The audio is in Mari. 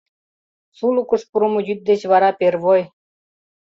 Сулыкыш пурымо йӱд деч вара первой.